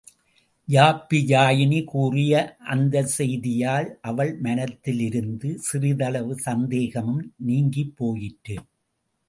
யாப்பியாயினி கூறிய அந்தச் செய்தியால், அவள் மனத்திலிருந்த சிறிதளவு சந்தேகமும் நீங்கிப் போயிற்று.